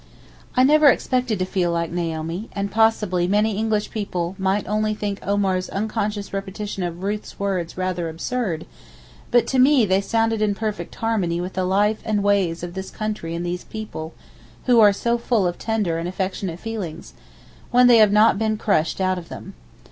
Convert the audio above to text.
I never expected to feel like Naomi, and possibly many English people might only think Omar's unconscious repetition of Ruth's words rather absurd, but to me they sounded in perfect harmony with the life and ways of this country and these people, who are so full of tender and affectionate feelings, when they have not been crushed out of them.